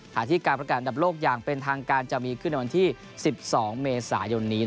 ที่การประกาศอันดับโลกอย่างเป็นทางการจะมีขึ้นในวันที่๑๒เมษายนนี้